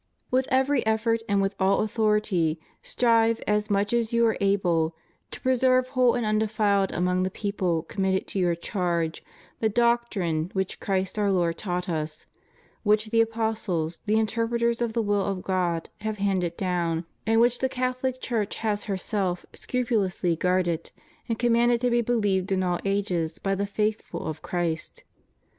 With every effort and with all authority, strive, as much as you are able, to preserve whole and undefiled among the people committed to your charge the doctrine which Christ our Lord taught us; which the apostles, the interpreters of the will of God, have handed down; and which the Catholic Church has herseff scrupulously guarded, and conmianded to be believed in all ages by the faithful of Christ.